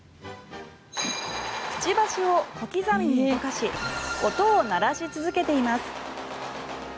くちばしを小刻みに動かし音を鳴らし続けています。